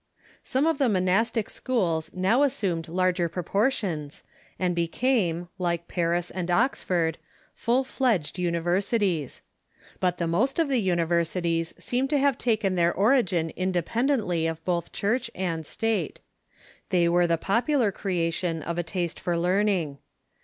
Some of the monastic schools now assumed larger propor tions, and became, like Paris and Oxford, full fledged univer sities. But the most of the universities seem to have Rise of the taken their origin independently of both Church and University »',"^.« State. They were the j^opular creation of a taste for learning.